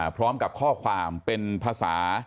พร้อมกับข้อความเป็นภาษา